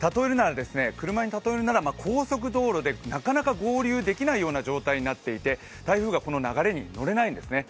車に例えるなら高速道路でなかなか合流できないような状態になっていて台風がこの流れに乗れないんですね。